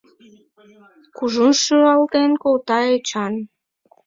Кужун шӱлалтен колта Эчан.